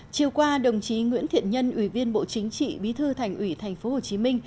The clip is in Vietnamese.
chiều qua đồng chí nguyễn thiện nhân ủy viên bộ chính trị bí thư thành ủy tp hcm